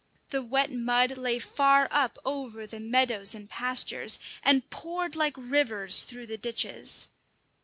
The wet mud lay far up over the meadows and pastures, and poured like rivers through the ditches.